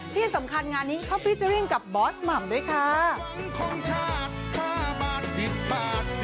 ที่สำคัญงานนี้เขาพิจารณ์กับบอสหม่ำด้วยค่ะ